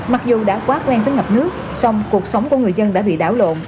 mặc dù đã quá quen tới ngập nước xong cuộc sống của người dân đã bị đảo lộn